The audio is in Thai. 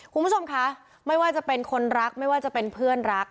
คุณผู้ชมคะไม่ว่าจะเป็นคนรักไม่ว่าจะเป็นเพื่อนรัก